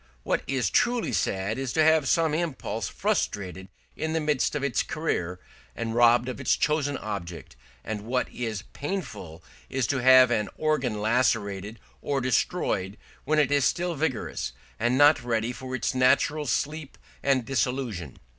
What is truly sad is to have some impulse frustrated in the midst of its career, and robbed of its chosen object; and what is painful is to have an organ lacerated or destroyed when it is still vigorous, and not ready for its natural sleep and dissolution.